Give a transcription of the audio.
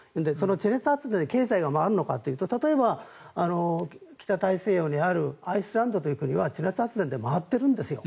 地熱発電で経済が回るのかというと例えば、北大西洋にあるアイスランドという国は地熱発電で回っているんですよ。